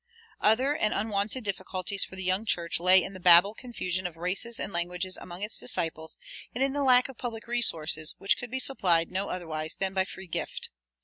Other and unwonted difficulties for the young church lay in the Babel confusion of races and languages among its disciples, and in the lack of public resources, which could be supplied no otherwise than by free gift.